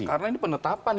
iya karena ini penetapan ini